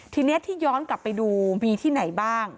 ทีนี้ที่ย้อนกลับไปดูมีที่ไหนบ้าง